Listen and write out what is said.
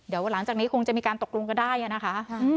เดี๋ยวหลังจากนี้คงจะมีการตกลงกันได้นะคะ